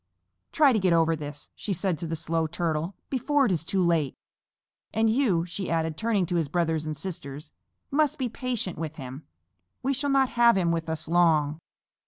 "Try to get over this," she said to the Slow Little Turtle, "before it is too late. And you," she added, turning to his brothers and sisters, "must be patient with him. We shall not have him with us long."